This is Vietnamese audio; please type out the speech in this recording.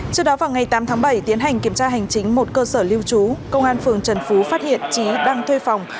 trước đó vào ngày tám tháng bảy tiến hành kiểm tra hành chính một cơ sở lưu trú công an phường trần phú phát hiện trí đang thuê phòng